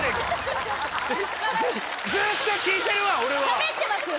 しゃべってますよ